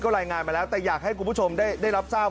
รายงานมาแล้วแต่อยากให้คุณผู้ชมได้รับทราบ